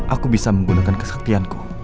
aku bisa menggunakan kesaktianku